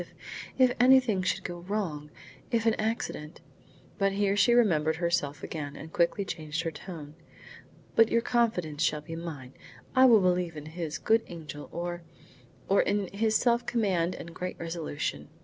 If if anything should go wrong! If an accident " But here she remembered herself again and quickly changed her tone. "But your confidence shall be mine. I will believe in his good angel or or in his self command and great resolution.